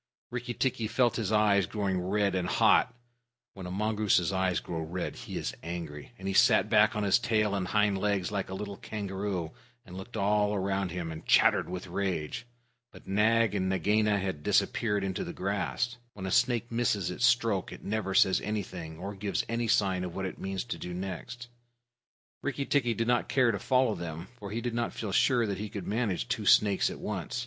Rikki tikki felt his eyes growing red and hot (when a mongoose's eyes grow red, he is angry), and he sat back on his tail and hind legs like a little kangaroo, and looked all round him, and chattered with rage. But Nag and Nagaina had disappeared into the grass. When a snake misses its stroke, it never says anything or gives any sign of what it means to do next. Rikki tikki did not care to follow them, for he did not feel sure that he could manage two snakes at once.